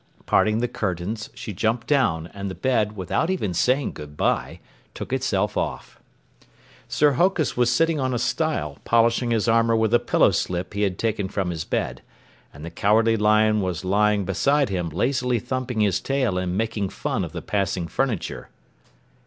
Parting the curtains, she jumped down, and the bed, without even saying goodbye, took itself off. Sir Hokus was sitting on a stile, polishing his armor with a pillowslip he had taken from his bed, and the Cowardly Lion was lying beside him lazily thumping his tail and making fun of the passing furniture.